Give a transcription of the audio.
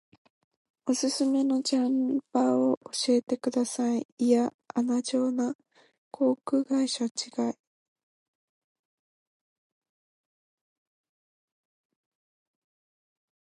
おすすめのジャル場を教えてください。いやアナ場な。航空会社違い。